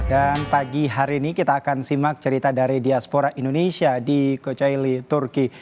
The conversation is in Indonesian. dan pagi hari ini kita akan simak cerita dari diaspora indonesia di kocaeli turki